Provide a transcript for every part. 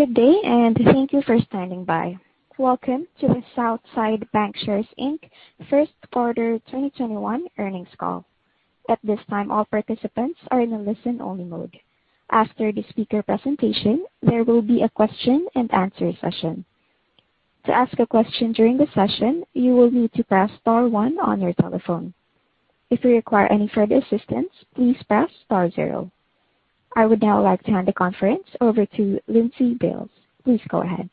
Good day, and thank you for standing by. Welcome to the Southside Bancshares, Inc. First Quarter 2021 Earnings Call. At this time, all participants are in a listen-only mode. After the speaker presentation, there will be a question and answer session. To ask a question during the session, you will need to press star one on your telephone. If you require any further assistance, please press star zero. I would now like to hand the conference over to Lindsey Bailes. Please go ahead.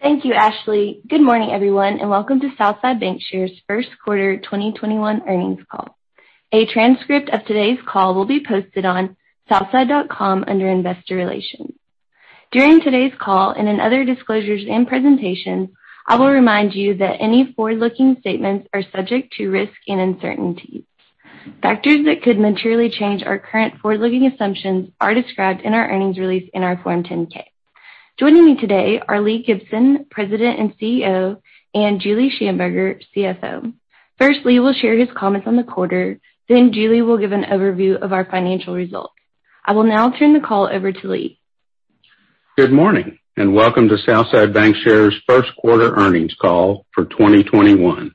Thank you, Ashley. Good morning, everyone, welcome to Southside Bancshares' first quarter 2021 earnings call. A transcript of today's call will be posted on southside.com under Investor Relations. During today's call in other disclosures and presentations, I will remind you that any forward-looking statements are subject to risk and uncertainties. Factors that could materially change our current forward-looking assumptions are described in our earnings release in our Form 10-K. Joining me today are Lee Gibson, President and CEO, and Julie Shamburger, CFO. First, Lee will share his comments on the quarter, Julie will give an overview of our financial results. I will now turn the call over to Lee. Good morning, and welcome to Southside Bancshares' first quarter earnings call for 2021.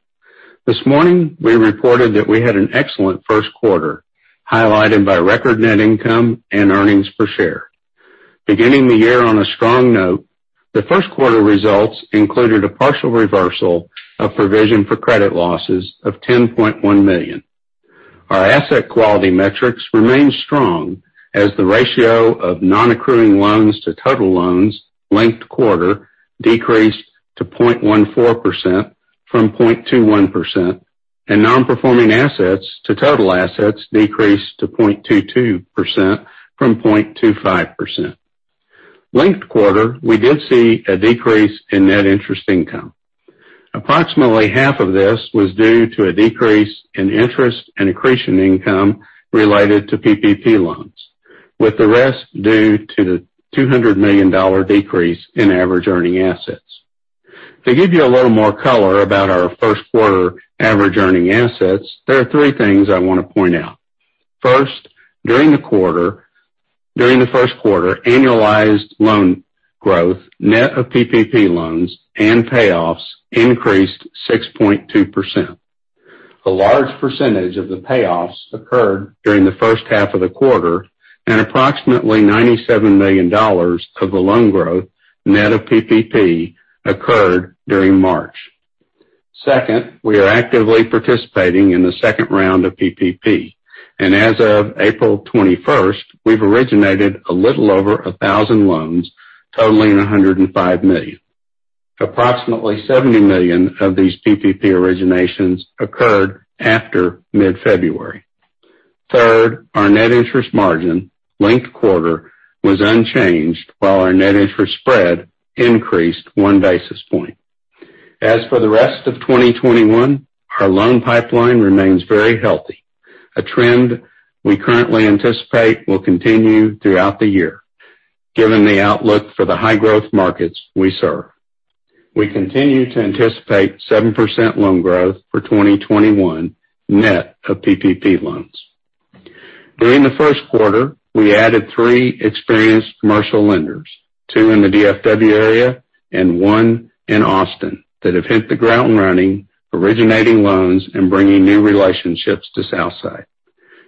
This morning, we reported that we had an excellent first quarter, highlighted by record net income and earnings per share. Beginning the year on a strong note, the first quarter results included a partial reversal of provision for credit losses of $10.1 million. Our asset quality metrics remain strong as the ratio of non-accruing loans to total loans linked quarter decreased to 0.14% from 0.21%, and non-performing assets to total assets decreased to 0.22% from 0.25%. Linked quarter, we did see a decrease in net interest income. Approximately half of this was due to a decrease in interest and accretion income related to PPP loans, with the rest due to the $200 million decrease in average earning assets. To give you a little more color about our first quarter average earning assets, there are three things I want to point out. First, during the first quarter, annualized loan growth, net of PPP loans and payoffs increased 6.2%. A large percentage of the payoffs occurred during the first half of the quarter, and approximately $97 million of the loan growth, net of PPP, occurred during March. Second, we are actively participating in the second round of PPP, and as of April 21st, we've originated a little over 1,000 loans totaling $105 million. Approximately $70 million of these PPP originations occurred after mid-February. Third, our net interest margin linked quarter was unchanged while our net interest spread increased one basis point. As for the rest of 2021, our loan pipeline remains very healthy, a trend we currently anticipate will continue throughout the year, given the outlook for the high growth markets we serve. We continue to anticipate 7% loan growth for 2021, net of PPP loans. During the first quarter, we added three experienced commercial lenders, two in the DFW area and one in Austin, that have hit the ground running, originating loans and bringing new relationships to Southside.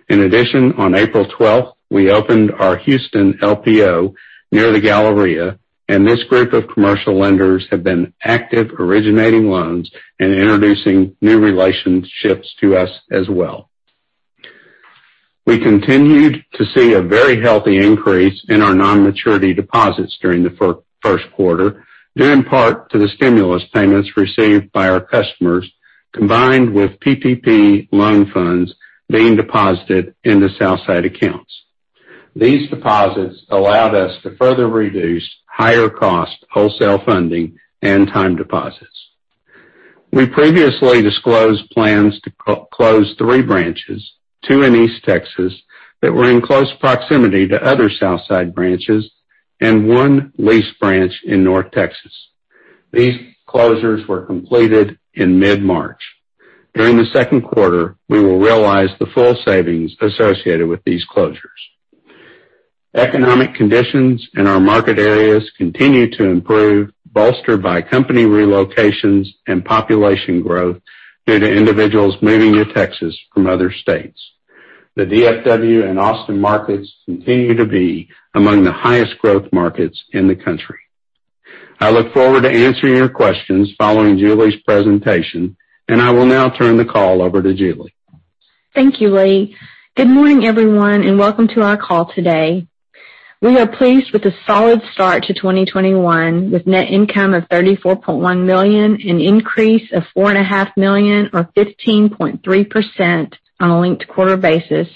In addition, on April 12th, we opened our Houston LPO near the Galleria, and this group of commercial lenders have been active originating loans and introducing new relationships to us as well. We continued to see a very healthy increase in our non-maturity deposits during the first quarter, due in part to the stimulus payments received by our customers, combined with PPP loan funds being deposited into Southside accounts. These deposits allowed us to further reduce higher cost wholesale funding and time deposits. We previously disclosed plans to close three branches, two in East Texas that were in close proximity to other Southside branches, and one lease branch in North Texas. These closures were completed in mid-March. During the second quarter, we will realize the full savings associated with these closures. Economic conditions in our market areas continue to improve, bolstered by company relocations and population growth due to individuals moving to Texas from other states. The D.F.W. and Austin markets continue to be among the highest growth markets in the country. I look forward to answering your questions following Julie's presentation, I will now turn the call over to Julie. Thank you, Lee. Good morning, everyone, and welcome to our call today. We are pleased with the solid start to 2021, with net income of $34.1 million, an increase of $4.5 million or 15.3% on a linked quarter basis,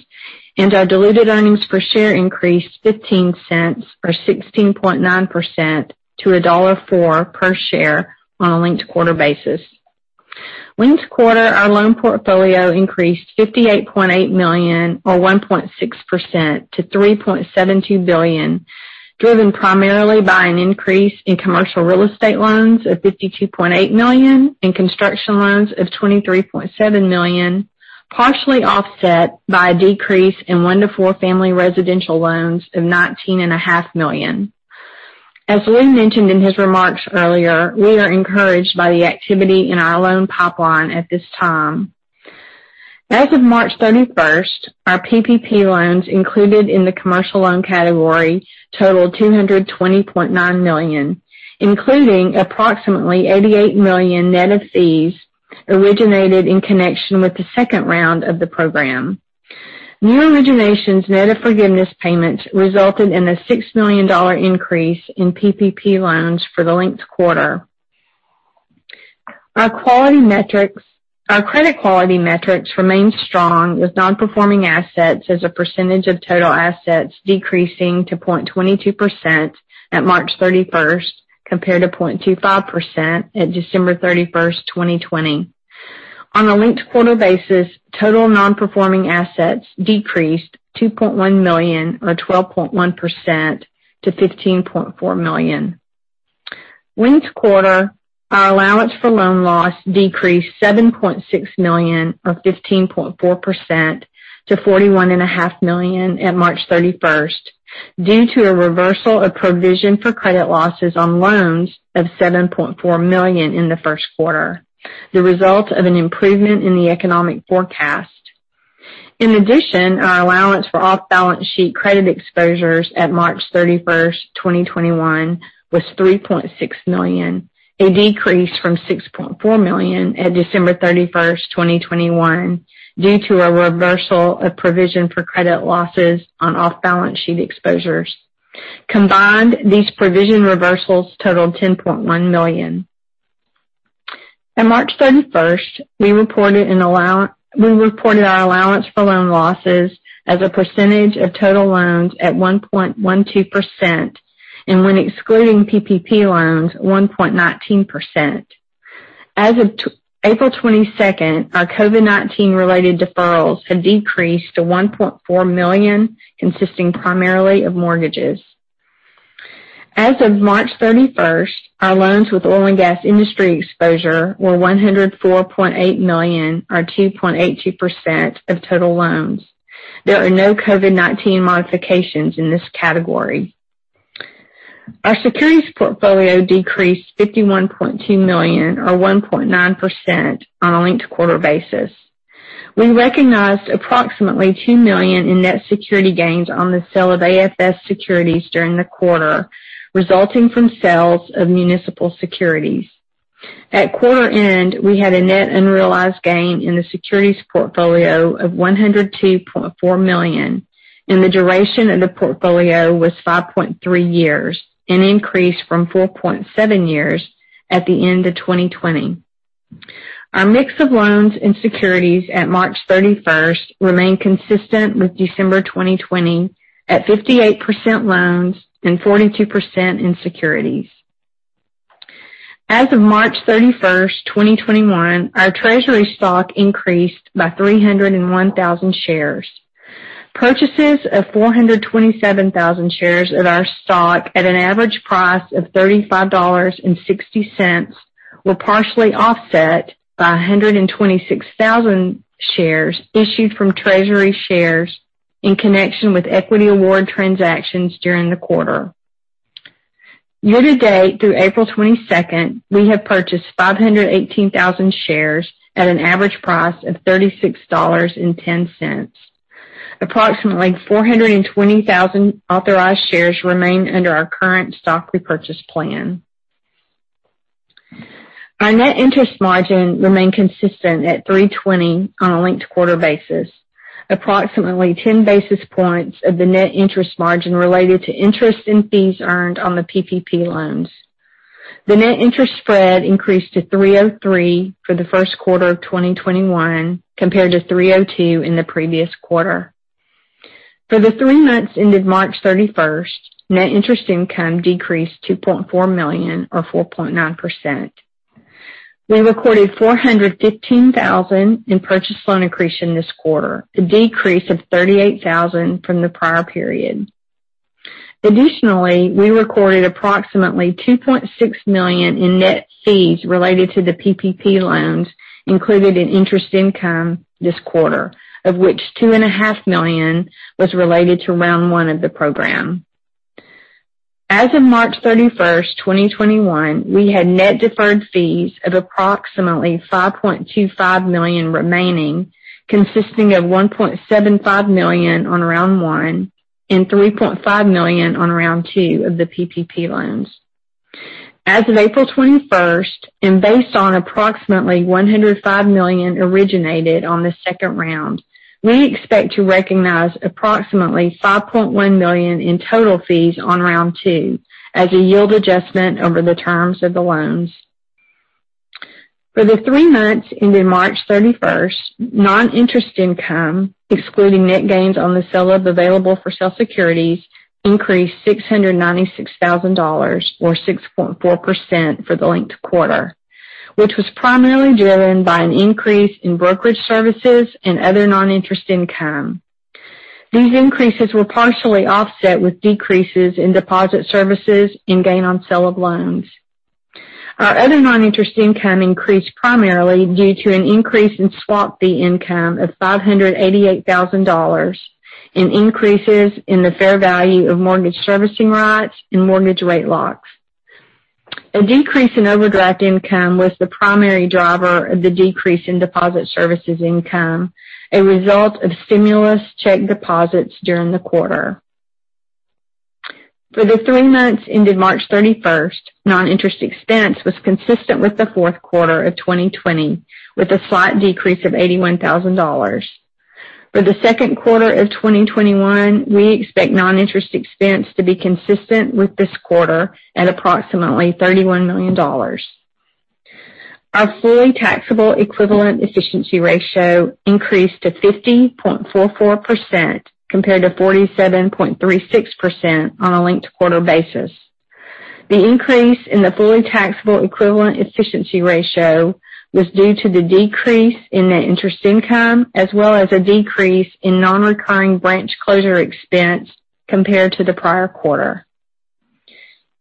and our diluted earnings per share increased $0.15 or 16.9% to $1.04 per share on a linked quarter basis. Linked quarter, our loan portfolio increased $58.8 million or 1.6% to $3.72 billion, driven primarily by an increase in commercial real estate loans of $52.8 million and construction loans of $23.7 million, partially offset by a decrease in one to four family residential loans of $19.5 million. As Lee mentioned in his remarks earlier, we are encouraged by the activity in our loan pipeline at this time. As of March 31st, our PPP loans included in the commercial loan category totaled $220.9 million, including approximately $88 million net of fees originated in connection with the second round of the program. New originations net of forgiveness payments resulted in a $6 million increase in PPP loans for the linked quarter. Our credit quality metrics remain strong, with non-performing assets as a percentage of total assets decreasing to 0.22% at March 31st, compared to 0.25% at December 31st, 2020. On a linked-quarter basis, total non-performing assets decreased $2.1 million or 12.1% to $15.4 million. Linked quarter, our allowance for loan loss decreased $7.6 million of 15.4% to $41.5 million at March 31st, due to a reversal of provision for credit losses on loans of $7.4 million in the first quarter, the result of an improvement in the economic forecast. In addition, our allowance for off-balance-sheet credit exposures at March 31st, 2021, was $3.6 million, a decrease from $6.4 million at December 31st, 2021, due to a reversal of provision for credit losses on off-balance-sheet exposures. Combined, these provision reversals totaled $10.1 million. At March 31st, we reported our allowance for loan losses as a percentage of total loans at 1.12%, and when excluding PPP loans, 1.19%. As of April 22nd, our COVID-19 related deferrals had decreased to $1.4 million, consisting primarily of mortgages. As of March 31st, our loans with oil and gas industry exposure were $104.8 million, or 2.82% of total loans. There are no COVID-19 modifications in this category. Our securities portfolio decreased $51.2 million, or 1.9% on a linked quarter basis. We recognized approximately $2 million in net security gains on the sale of AFS securities during the quarter, resulting from sales of municipal securities. At quarter end, we had a net unrealized gain in the securities portfolio of $102.4 million. The duration of the portfolio was 5.3 years, an increase from 4.7 years at the end of 2020. Our mix of loans and securities at March 31st remain consistent with December 2020, at 58% loans and 42% in securities. As of March 31st, 2021, our treasury stock increased by 301,000 shares. Purchases of 427,000 shares of our stock at an average price of $35.60 were partially offset by 126,000 shares issued from treasury shares in connection with equity award transactions during the quarter. Year to date, through April 22nd, we have purchased 518,000 shares at an average price of $36.10. Approximately 420,000 authorized shares remain under our current stock repurchase plan. Our net interest margin remained consistent at 320 on a linked quarter basis. Approximately 10 basis points of the net interest margin related to interest and fees earned on the PPP loans. The net interest spread increased to 303 for the first quarter of 2021, compared to 302 in the previous quarter. For the three months ended March 31st, net interest income decreased $2.4 million, or 4.9%. We recorded $415,000 in purchase loan accretion this quarter, a decrease of $38,000 from the prior period. Additionally, we recorded approximately $2.6 million in net fees related to the PPP loans included in interest income this quarter, of which $2.5 million was related to round one of the program. As of March 31st, 2021, we had net deferred fees of approximately $5.25 million remaining, consisting of $1.75 million on round one and $3.5 million on round two of the PPP loans. As of April 21st, and based on approximately 105 million originated on the second round, we expect to recognize approximately $5.1 million in total fees on round two as a yield adjustment over the terms of the loans. For the three months ended March 31st, non-interest income, excluding net gains on the sale of available-for-sale securities, increased $696,000, or 6.4% for the linked quarter, which was primarily driven by an increase in brokerage services and other non-interest income. These increases were partially offset with decreases in deposit services and gain on sale of loans. Our other non-interest income increased primarily due to an increase in swap fee income of $588,000, and increases in the fair value of mortgage servicing rights and mortgage rate locks. A decrease in overdraft income was the primary driver of the decrease in deposit services income, a result of stimulus check deposits during the quarter. For the three months ended March 31st, non-interest expense was consistent with the fourth quarter of 2020, with a slight decrease of $81,000. For the second quarter of 2021, we expect non-interest expense to be consistent with this quarter at approximately $31 million. Our fully taxable equivalent efficiency ratio increased to 50.44%, compared to 47.36% on a linked quarter basis. The increase in the fully taxable equivalent efficiency ratio was due to the decrease in the interest income, as well as a decrease in non-recurring branch closure expense compared to the prior quarter.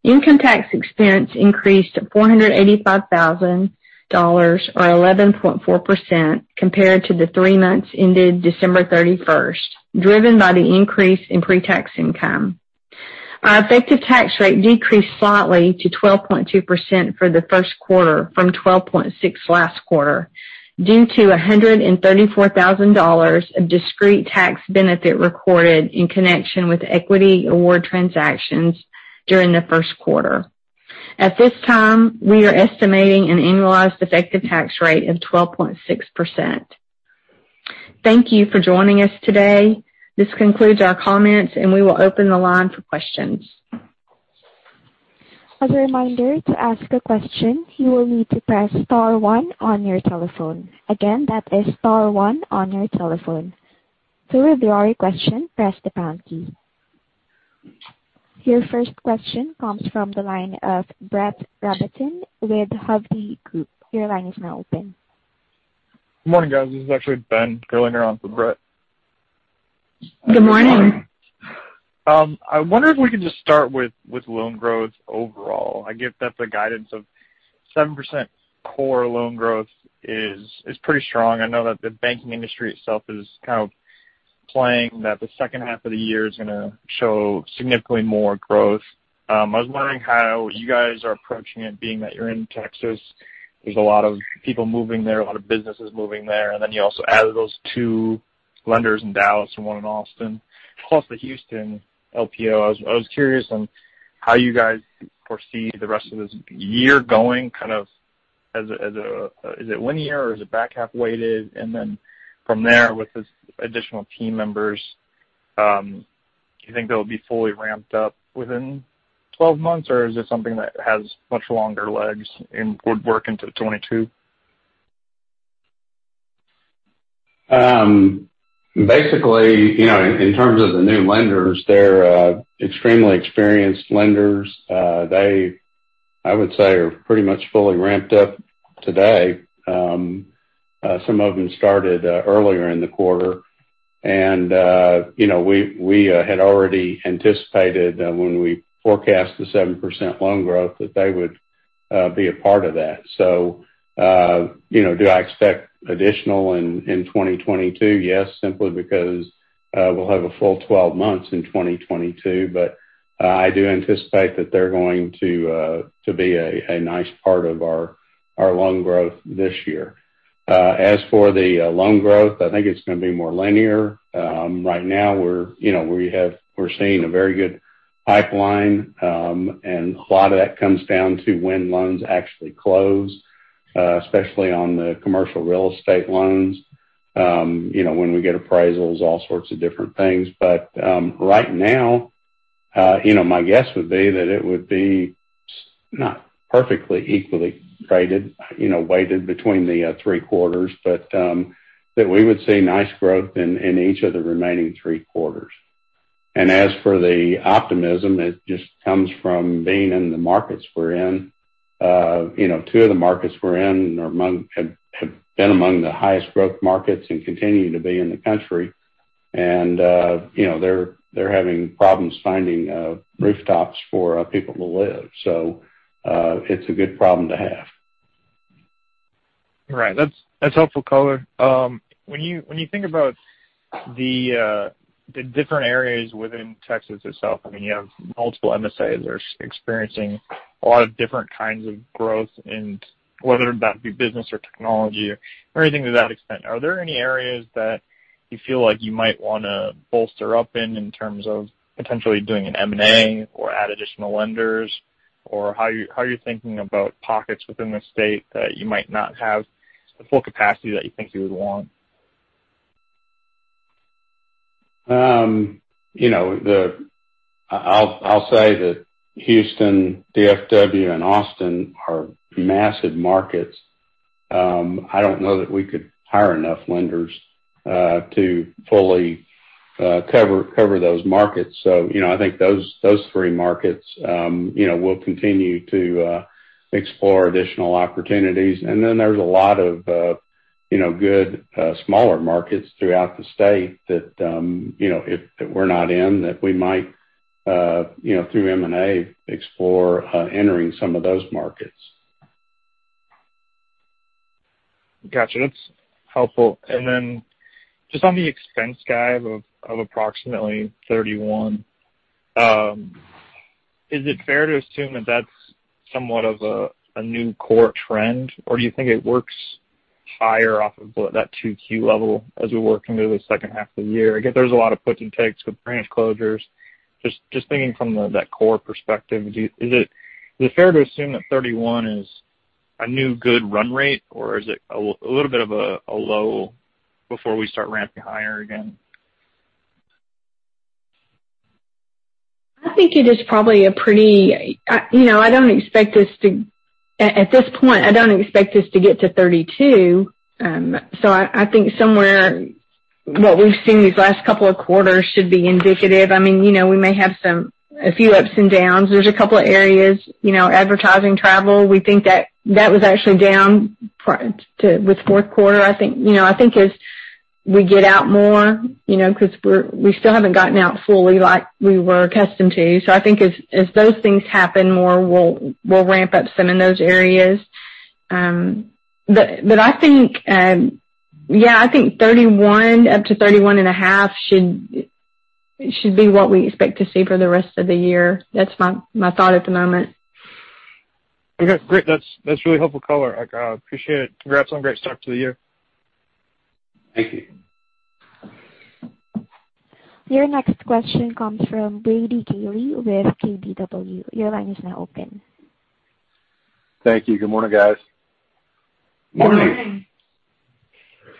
Income tax expense increased to $485,000, or 11.4%, compared to the three months ended December 31st, driven by the increase in pre-tax income. Our effective tax rate decreased slightly to 12.2% for the first quarter from 12.6% last quarter, due to $134,000 of discrete tax benefit recorded in connection with equity award transactions during the first quarter. At this time, we are estimating an annualized effective tax rate of 12.6%. Thank you for joining us today. This concludes our comments, and we will open the line for questions. As a reminder, to ask a question, you will need to press star one on your telephone. Again, that is star one on your telephone. To withdraw your question, press the pound key. Your first question comes from the line of Brett Rabatin with Hovde Group. Your line is now open. Good morning, guys. This is actually Ben filling in here on for Brett. Good morning. I wonder if we can just start with loan growth overall. I get that the guidance of 7% core loan growth is pretty strong. I know that the banking industry itself is kind of playing that the second half of the year is going to show significantly more growth. I was wondering how you guys are approaching it, being that you're in Texas. There's a lot of people moving there, a lot of businesses moving there, and then you also added those two lenders in Dallas and one in Austin, plus the Houston LPO. I was curious on how you guys foresee the rest of this year going. Is it linear or is it back-half weighted? From there, with these additional team members, do you think they'll be fully ramped up within 12 months or is this something that has much longer legs and would work into 2022? Basically, in terms of the new lenders, they're extremely experienced lenders. They, I would say, are pretty much fully ramped up today. Some of them started earlier in the quarter. We had already anticipated that when we forecast the 7% loan growth, that they would be a part of that. Do I expect additional in 2022? Yes, simply because we'll have a full 12 months in 2022. I do anticipate that they're going to be a nice part of our loan growth this year. As for the loan growth, I think it's going to be more linear. Right now, we're seeing a very good pipeline, and a lot of that comes down to when loans actually close, especially on the commercial real estate loans, when we get appraisals, all sorts of different things. Right now, my guess would be that it would be not perfectly equally weighted between the three quarters, but that we would see nice growth in each of the remaining three quarters. As for the optimism, it just comes from being in the markets we're in. Two of the markets we're in have been among the highest growth markets, and continue to be in the country. They're having problems finding rooftops for people to live. It's a good problem to have. Right. That's helpful color. When you think about the different areas within Texas itself, you have multiple MSAs that are experiencing a lot of different kinds of growth, and whether that be business or technology or anything to that extent. Are there any areas that you feel like you might want to bolster up in terms of potentially doing an M&A or add additional lenders? How are you thinking about pockets within the state that you might not have the full capacity that you think you would want? I'll say that Houston, DFW, and Austin are massive markets. I don't know that we could hire enough lenders to fully cover those markets. I think those three markets, we'll continue to explore additional opportunities. There's a lot of smaller markets throughout the state that if we're not in, that we might, through M&A, explore entering some of those markets. Got you. That's helpful. Just on the expense guide of approximately $31 million, is it fair to assume that that's somewhat of a new core trend, or do you think it works higher off of that 2Q level as we work into the second half of the year? I get there's a lot of puts and takes with branch closures. Just thinking from that core perspective, is it fair to assume that $31 million is a new good run rate or is it a little bit of a low before we start ramping higher again? I think it is probably. At this point, I don't expect us to get to 32. I think somewhere, what we've seen these last couple of quarters should be indicative. We may have a few ups and downs. There's a couple of areas, advertising, travel. We think that was actually down with fourth quarter. I think as we get out more, because we still haven't gotten out fully like we were accustomed to. I think as those things happen more, we'll ramp up some in those areas. I think 31 up to 31 and a half should be what we expect to see for the rest of the year. That's my thought at the moment. Okay, great. That's really helpful color. I appreciate it. Congrats on a great start to the year. Thank you. Your next question comes from Brady Gailey with KBW. Your line is now open. Thank you. Good morning, guys. Morning.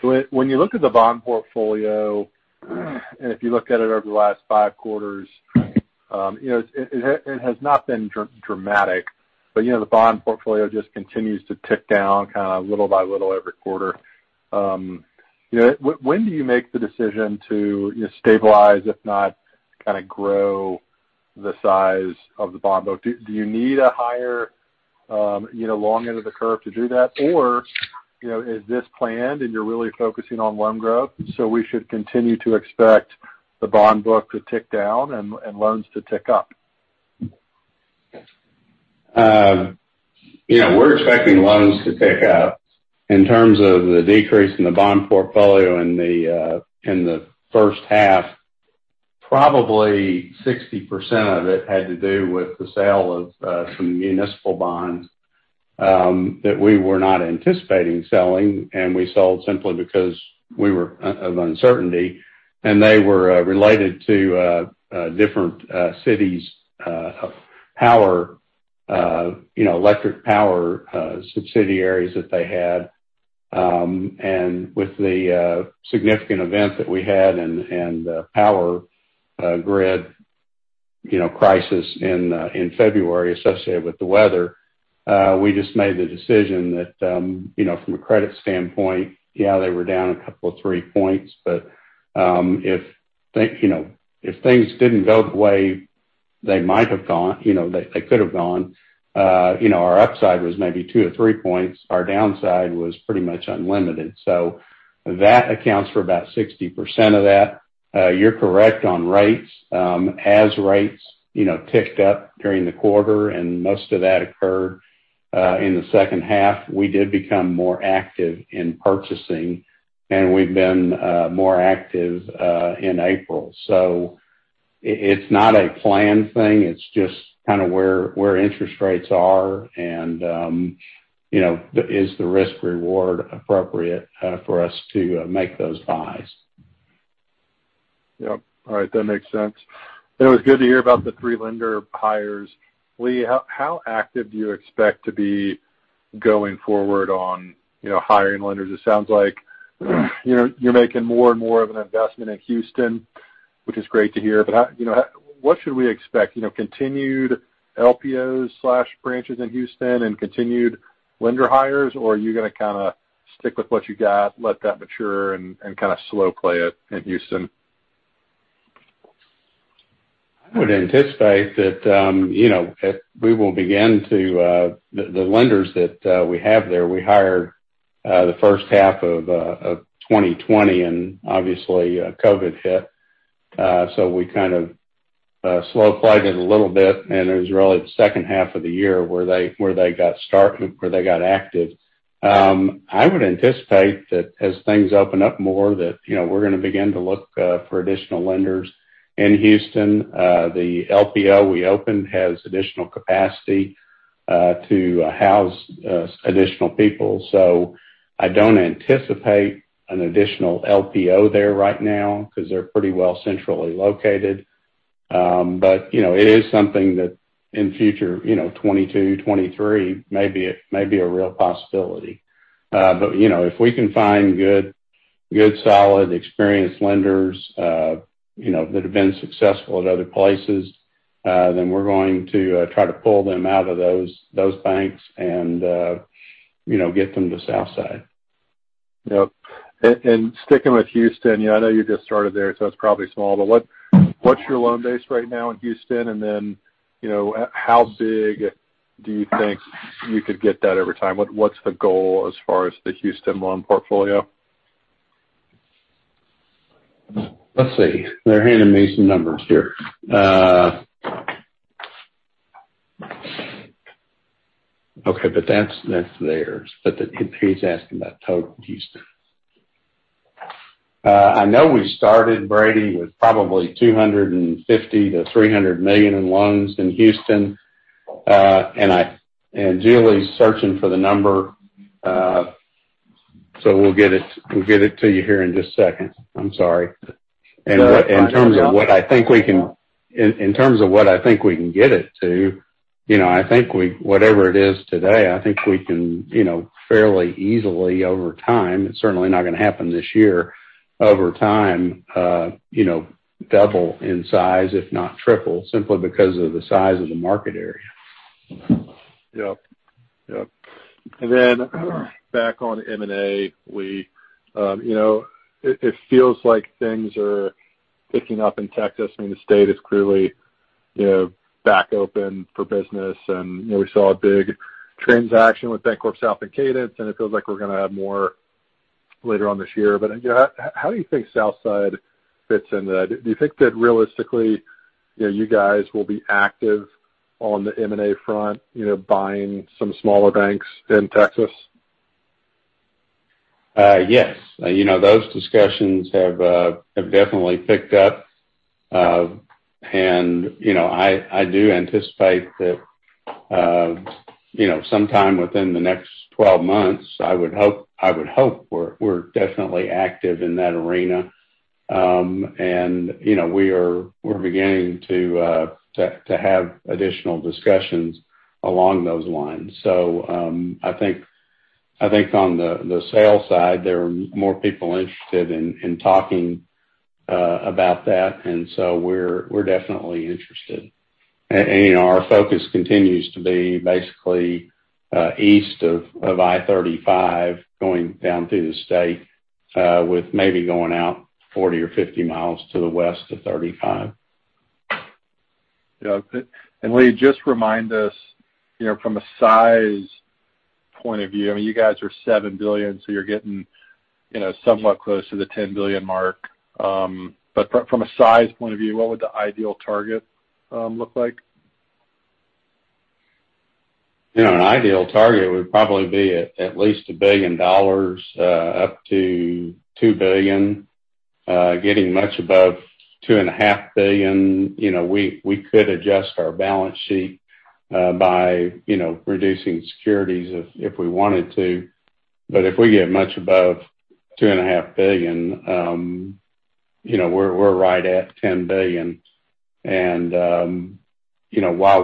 Morning. When you look at the bond portfolio, and if you look at it over the last five quarters, it has not been dramatic. The bond portfolio just continues to tick down kind of little by little every quarter. When do you make the decision to stabilize, if not grow the size of the bond book? Do you need a higher long end of the curve to do that? Is this planned and you're really focusing on loan growth, so we should continue to expect the bond book to tick down and loans to tick up? We're expecting loans to tick up. In terms of the decrease in the bond portfolio in the first half, probably 60% of it had to do with the sale of some municipal bonds that we were not anticipating selling. We sold simply because we were of uncertainty. They were related to different cities' electric power subsidiaries that they had. With the significant event that we had and the power grid crisis in February associated with the weather, we just made the decision that, from a credit standpoint, yeah, they were down a couple of three points. If things didn't go the way they could've gone, our upside was maybe two or three points. Our downside was pretty much unlimited. That accounts for about 60% of that. You're correct on rates. As rates ticked up during the quarter and most of that occurred in the second half, we did become more active in purchasing, and we've been more active in April. It's not a planned thing. It's just where interest rates are, and is the risk reward appropriate for us to make those buys. Yep. All right. That makes sense. It was good to hear about the three lender hires. Lee, how active do you expect to be going forward on hiring lenders? It sounds like you're making more and more of an investment in Houston, which is great to hear. What should we expect? Continued LPOs/branches in Houston and continued lender hires, or are you going to stick with what you got, let that mature, and slow play it in Houston? The lenders that we have there, we hired the first half of 2020, and obviously COVID-19 hit. We kind of slow-played it a little bit, and it was really the second half of the year where they got active. I would anticipate that as things open up more, that we're going to begin to look for additional lenders in Houston. The LPO we opened has additional capacity to house additional people. I don't anticipate an additional LPO there right now because they're pretty well centrally located. It is something that in the future, 2022, 2023, may be a real possibility. If we can find good, solid, experienced lenders that have been successful at other places, then we're going to try to pull them out of those banks and get them to Southside. Yep. Sticking with Houston, I know you just started there, so it's probably small, but what's your loan base right now in Houston? How big do you think you could get that over time? What's the goal as far as the Houston loan portfolio? Let's see. They're handing me some numbers here. Okay, that's theirs. He's asking about total Houston. I know we started, Brady, with probably $250 million-$300 million in loans in Houston. Julie's searching for the number, so we'll get it to you here in just a second. I'm sorry. In terms of what I think we can get it to, I think whatever it is today, I think we can, fairly easily over time, it's certainly not going to happen this year, over time, double in size if not triple, simply because of the size of the market area. Yep. Back on M&A, it feels like things are picking up in Texas. I mean, the state is clearly back open for business, and we saw a big transaction with BancorpSouth and Cadence, and it feels like we're going to have more later on this year. How do you think Southside fits into that? Do you think that realistically, you guys will be active on the M&A front, buying some smaller banks in Texas? Yes. Those discussions have definitely picked up. I do anticipate that sometime within the next 12 months, I would hope we're definitely active in that arena. We're beginning to have additional discussions along those lines. I think on the sales side, there are more people interested in talking about that. We're definitely interested. Our focus continues to be basically east of I-35, going down through the state, with maybe going out 40 mi or 50 mi to the west of 35. Yeah. Lee, just remind us from a size point of view, I mean, you guys are $7 billion, so you're getting somewhat close to the $10 billion mark. From a size point of view, what would the ideal target look like? An ideal target would probably be at least $1 billion up to $2 billion. Getting much above $2.5 billion, we could adjust our balance sheet by reducing securities if we wanted to. If we get much above $2.5 billion, we're right at $10 billion. While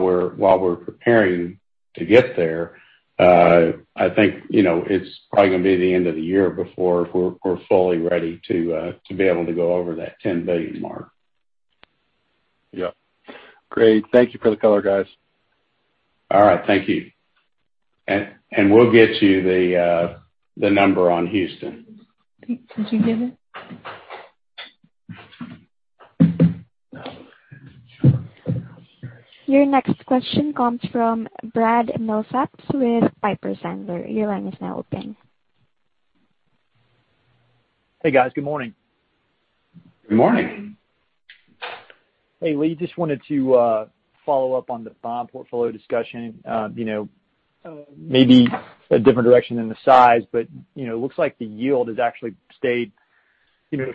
we're preparing to get there, I think it's probably going to be the end of the year before we're fully ready to be able to go over that $10 billion mark. Yep. Great. Thank you for the color, guys. All right. Thank you. We'll get you the number on Houston. Could you give it? Your next question comes from Brad Millsaps with Piper Sandler. Your line is now open. Hey, guys. Good morning. Good morning. Hey, Lee, just wanted to follow up on the bond portfolio discussion. Maybe a different direction than the size, but it looks like the yield has actually stayed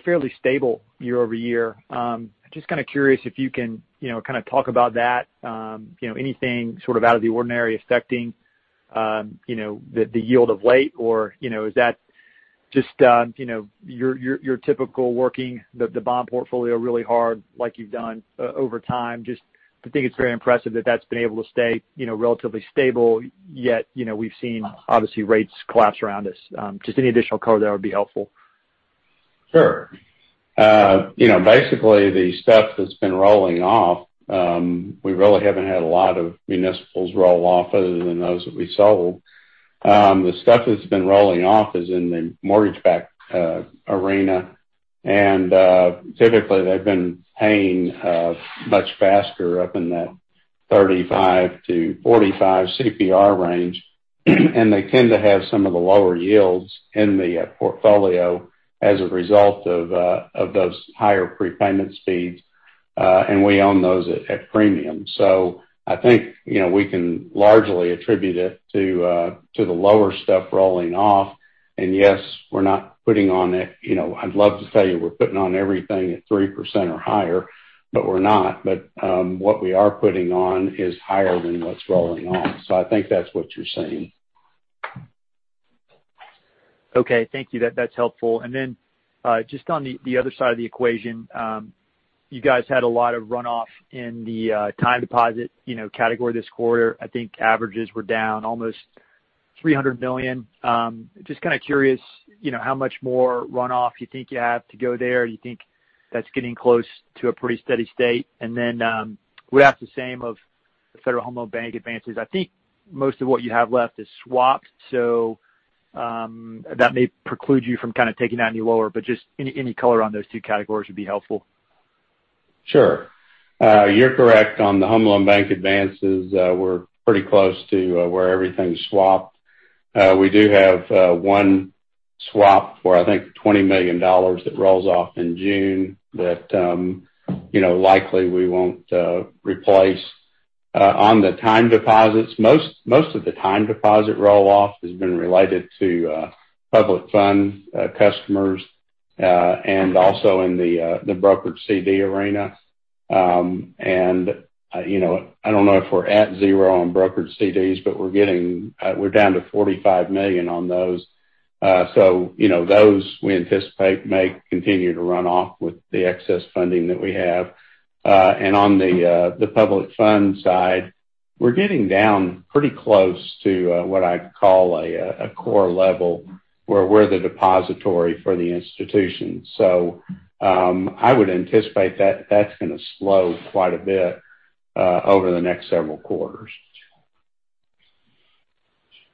fairly stable year-over-year. Just kind of curious if you can kind of talk about that. Anything sort of out of the ordinary affecting the yield of late? Or is that just your typical working the bond portfolio really hard like you've done over time? Just, I think it's very impressive that that's been able to stay relatively stable, yet we've seen, obviously, rates collapse around us. Just any additional color there would be helpful. Sure. Basically, the stuff that's been rolling off, we really haven't had a lot of municipals roll off other than those that we sold. The stuff that's been rolling off is in the mortgage-backed arena. Typically, they've been paying much faster up in that 35 to 45 CPR range, and they tend to have some of the lower yields in the portfolio as a result of those higher prepayment speeds. We own those at premium. I think we can largely attribute it to the lower stuff rolling off. Yes, we're not putting on. I'd love to tell you we're putting on everything at 3% or higher, but we're not. What we are putting on is higher than what's rolling off. I think that's what you're seeing. Okay. Thank you. That's helpful. Just on the other side of the equation, you guys had a lot of runoff in the time deposit category this quarter. I think averages were down almost $300 million. Just kind of curious, how much more runoff you think you have to go there? You think that's getting close to a pretty steady state? Would ask the same of Federal Home Loan Bank advances. I think most of what you have left is swapped, so that may preclude you from kind of taking that any lower, but just any color on those two categories would be helpful. Sure. You're correct on the Home Loan Bank advances. We're pretty close to where everything's swapped. We do have one swap for, I think, $20 million that rolls off in June that likely we won't replace. On the time deposits, most of the time deposit roll-off has been related to public fund customers, and also in the brokerage CD arena. I don't know if we're at zero on brokerage CDs, but we're down to $45 million on those. Those, we anticipate may continue to run off with the excess funding that we have. On the public fund side, we're getting down pretty close to what I'd call a core level, where we're the depository for the institution. I would anticipate that that's going to slow quite a bit over the next several quarters.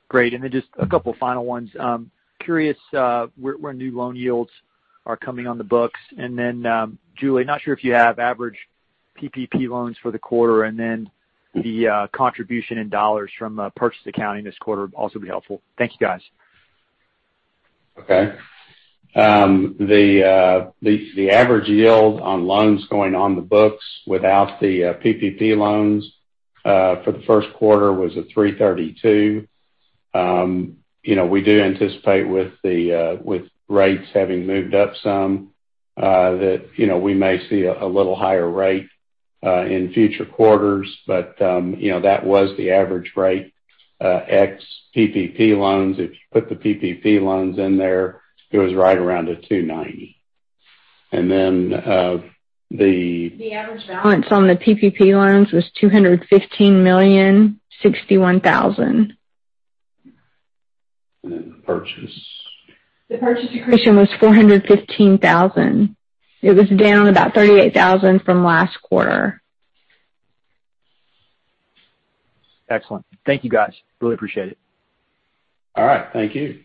Great. Just a couple of final ones. Curious where new loan yields are coming on the books. Julie, not sure if you have average PPP loans for the quarter, and then the contribution in dollars from a purchase accounting this quarter would also be helpful. Thank you, guys. Okay. The average yield on loans going on the books without the PPP loans for the first quarter was at 3.32. We do anticipate with rates having moved up some, that we may see a little higher rate in future quarters. That was the average rate ex PPP loans. If you put the PPP loans in there, it was right around a 2.90. The average balance on the PPP loans was $215,061,000. The purchase. The purchase accretion was $415,000. It was down about $38,000 from last quarter. Excellent. Thank you guys. Really appreciate it. All right. Thank you.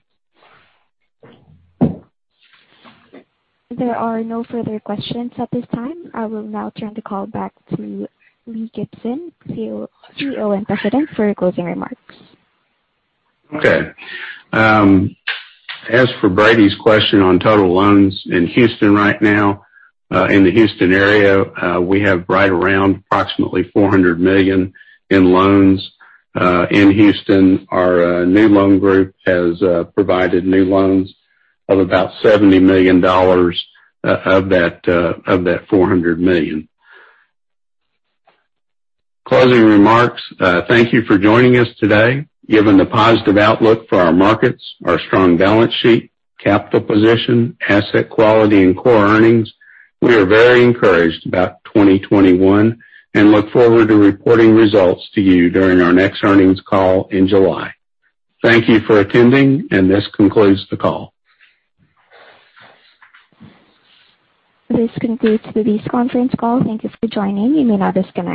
There are no further questions at this time. I will now turn the call back to Lee Gibson, CEO and President, for closing remarks. Okay. As for Brady's question on total loans in Houston right now, in the Houston area, we have right around approximately $400 million in loans. In Houston, our new loan group has provided new loans of about $70 million of that $400 million. Closing remarks. Thank you for joining us today. Given the positive outlook for our markets, our strong balance sheet, capital position, asset quality, and core earnings, we are very encouraged about 2021, and look forward to reporting results to you during our next earnings call in July. Thank you for attending, and this concludes the call. This concludes today's conference call. Thank you for joining. You may now disconnect.